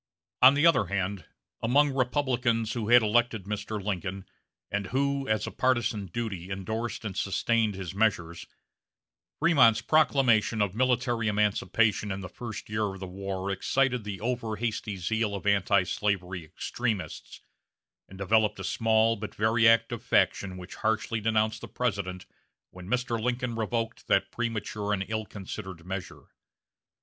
On the other hand, among Republicans who had elected Mr. Lincoln, and who, as a partizan duty, indorsed and sustained his measures, Frémont's proclamation of military emancipation in the first year of the war excited the over hasty zeal of antislavery extremists, and developed a small but very active faction which harshly denounced the President when Mr. Lincoln revoked that premature and ill considered measure.